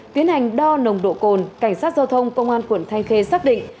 tiến hành đo nồng độ cồn cảnh sát giao thông công an quận thanh khê xác định